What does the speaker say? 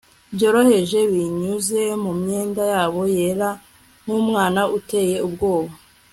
byoroheje, binyuze mumyenda yabo yera, nkumwana uteye ubwoba